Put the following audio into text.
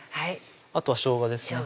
あとはしょうがですね